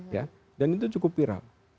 ya dan itu cukup viral